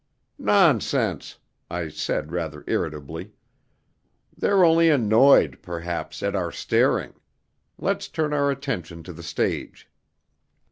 "Nonsense!" I said, rather irritably. "They're only annoyed, perhaps, at our staring. Let's turn our attention to the stage."